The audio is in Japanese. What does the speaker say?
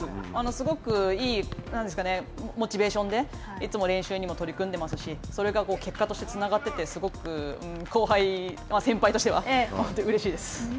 すごくいい、モチベーションで、いつも練習にも取り組んでますしそれが結果としてつながってて、すごく後輩、先輩としてはうれしいです。